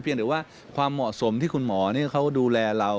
เพียงแต่ว่าความเหมาะสมที่คุณหมอดูแลเรา